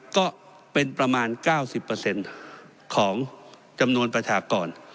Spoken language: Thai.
ก็เป็นประมาณ๙๐ของจำนวนประชากร